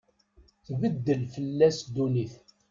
Tbeddel fell-as ddunit.